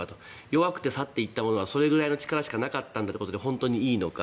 弱くて去っていったものはそれくらいの力しかなかったという本当にいいのか。